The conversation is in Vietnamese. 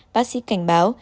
bác sĩ cảnh báo